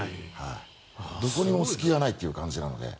どこにも隙がないという感じなので。